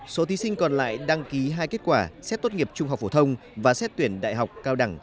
số thí sinh còn lại đăng ký hai kết quả xét tốt nghiệp trung học phổ thông và xét tuyển đại học cao đẳng